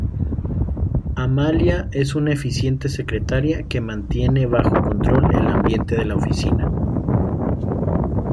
Amalia es una eficiente secretaria que mantiene bajo control el ambiente de la oficina.